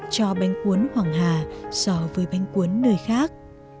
cho bánh cuốn hoàng hà so với bánh cuốn nơi khác